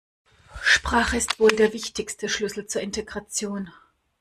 Sprache ist der wohl wichtigste Schlüssel zur Integration.